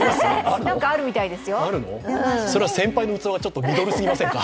それは先輩の器がミドルすぎませんか？